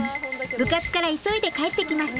部活から急いで帰ってきました。